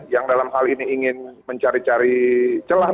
yang dalam hal ini ingin mencari cari celah